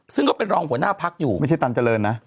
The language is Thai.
ซึ่งก็เป็นรองหัวหน้าพักอยู่ไม่ใช่ตันเจริญนะ